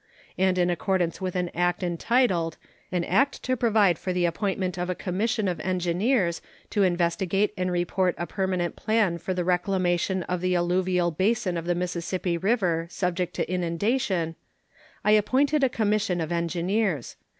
and in accordance with an act entitled "An act to provide for the appointment of a commission of engineers to investigate and report a permanent plan for the reclamation of the alluvial basin of the Mississippi River subject to inundation," I appointed a commission of engineers.